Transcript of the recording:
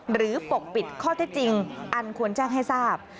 ปกปิดข้อเท็จจริงอันควรแจ้งให้ทราบ